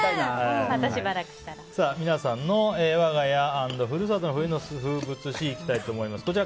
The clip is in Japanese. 皆さんの我が家＆ふるさとの“冬の風物詩”いきたいと思います。